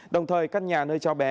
đồng thời các nhà nơi cháu bé